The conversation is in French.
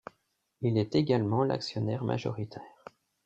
Il est également l'actionnaire majoritaire.